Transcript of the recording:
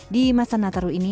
di masa nataru ini